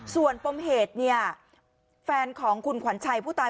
ส่วนปมเหตุเนี่ยแฟนของคุณขวัญชัยผู้ตาย